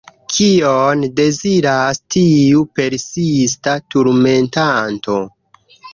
Kion deziras tiu persista turmentanto?